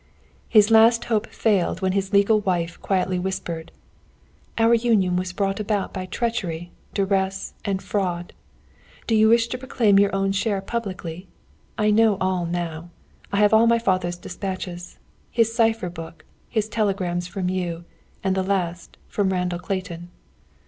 His last hope failed when his legal wife quietly whispered, "Our union was brought about by treachery, duress, and fraud. Do you wish to proclaim your own share publicly? I know all now. I have all my father's dispatches, his cipher book, his telegrams from you, and the last, from Randall Clayton."